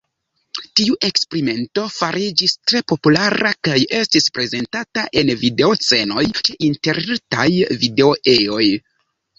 Tiu eksperimento fariĝis tre populara kaj estis prezentata en video-scenoj ĉe interretaj video-ejoj.